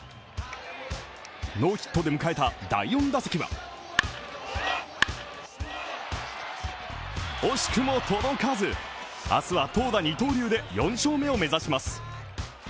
ノーヒットで迎えた第４打席は惜しくも届かず、明日は投打二刀流で４勝目を目指します。